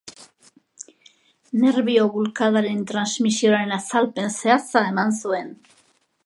Nerbio-bulkadaren transmisioaren azalpen zehatza eman zuen.